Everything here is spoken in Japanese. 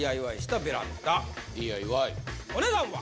お値段は。